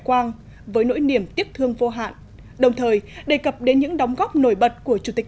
quang với nỗi niềm tiếc thương vô hạn đồng thời đề cập đến những đóng góp nổi bật của chủ tịch